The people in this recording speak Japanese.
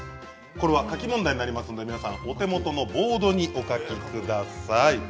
これは書き問題になりますのでお手元のボードにお書きください。